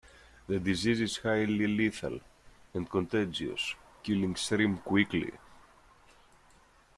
The disease is highly lethal and contagious, killing shrimp quickly.